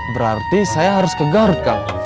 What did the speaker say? berarti saya harus ke garut kang